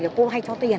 thì cô hay cho tiền